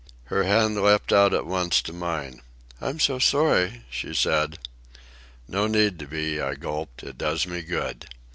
Her hand leapt out at once to mine. "I'm so sorry," she said. "No need to be," I gulped. "It does me good.